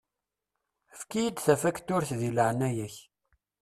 Efk-iyi-d tafakturt di leɛnaya-k.